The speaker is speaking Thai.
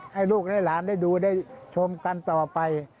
ให้ลูกและหลานได้ดูได้ชมกันต่อไป